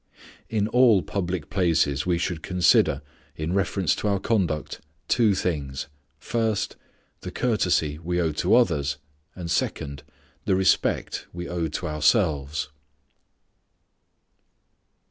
In all public places we should consider, in reference to our conduct, two things: first, the courtesy we owe to others; and second, the respect we owe to ourselves.